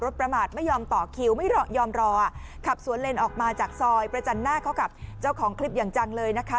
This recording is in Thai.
ประมาทไม่ยอมต่อคิวไม่ยอมรอขับสวนเลนออกมาจากซอยประจันหน้าเข้ากับเจ้าของคลิปอย่างจังเลยนะคะ